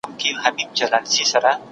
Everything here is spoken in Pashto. باطل په رښتیا کي هیڅ بقا نه لري.